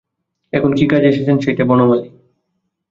এখন কী কাজে এসেছেন সেইটে– বনমালী।